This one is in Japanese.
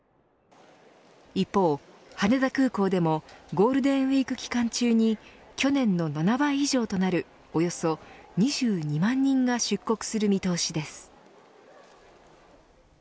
一方、羽田空港でもゴールデンウイーク期間中に去年の７倍以上となるおよそ２２万人が出国する見通しです。